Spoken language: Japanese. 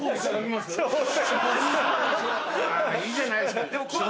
まぁいいじゃないですか。